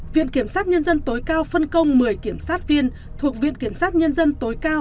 viện kiểm sát nhân dân tối cao phân công một mươi kiểm sát viên thuộc viện kiểm sát nhân dân tối cao